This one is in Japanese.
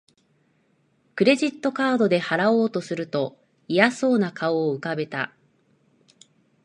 クレジットカードで払おうとすると嫌そうな顔を浮かべた